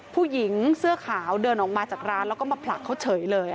ผู้หญิงเสื้อขาวเดินออกมาจากร้านแล้วก็มาผลักเขาเฉยเลย